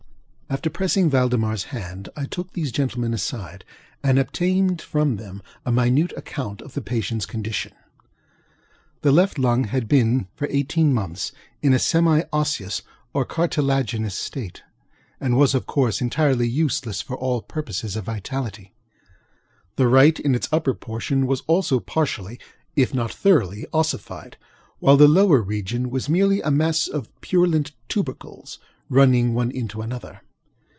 After pressing ValdemarŌĆÖs hand, I took these gentlemen aside, and obtained from them a minute account of the patientŌĆÖs condition. The left lung had been for eighteen months in a semi osseous or cartilaginous state, and was, of course, entirely useless for all purposes of vitality. The right, in its upper portion, was also partially, if not thoroughly, ossified, while the lower region was merely a mass of purulent tubercles, running one into another.